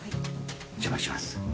お邪魔します。